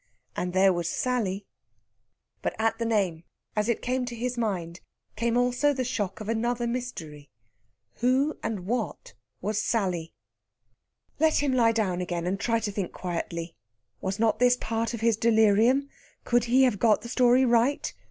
And there was Sally.... But at the name, as it came to his mind, came also the shock of another mystery who and what was Sally? Let him lie down again and try to think quietly. Was not this part of his delirium? Could he have got the story right?